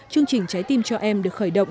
chương trình trái tim cho em được khởi động